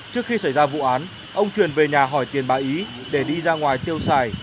trước khi xảy ra vụ án ông chuyển về nhà hỏi tiền bà ý để đi ra ngoài tiêu xài